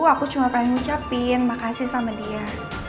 aku cuma pengen ngucapin makasih sama dia